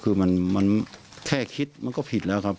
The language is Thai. คือมันแค่คิดมันก็ผิดแล้วครับ